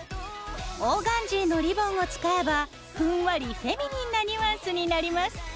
オーガンジーのリボンを使えばふんわりフェミニンなニュアンスになります。